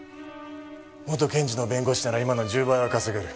元検事の弁護士なら今の１０倍は稼げる。